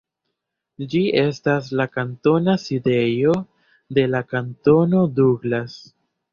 Ĝi estas la kantona sidejo de la kantono Douglas.